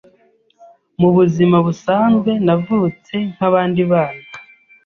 Mu buzima busanzwe navutse nk’abandi bana